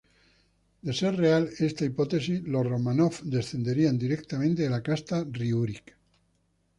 De ser real esta hipótesis, los Románov descenderían directamente de la casta Riúrik.